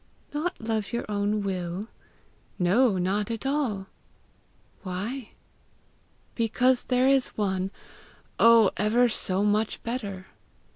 'Not love your own will?' 'No, not at all!' 'Why?' 'Because there is one oh, ever so much better!